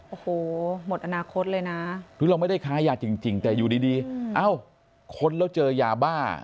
โอ้โหหมดอนาคตเลยนะหรือเราไม่ได้ค้ายาจริงแต่อยู่ดีเอ้าค้นแล้วเจอยาบ้า